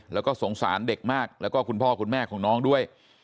แล้วก็สงสารเด็กมากแล้วก็คุณพ่อคุณแม่ของน้องด้วย